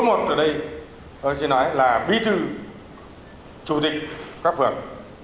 mà số một ở đây tôi sẽ nói là bí thư chủ tịch các phương